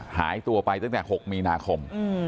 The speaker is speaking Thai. หายตัวไปตั้งแต่๖มีนาคม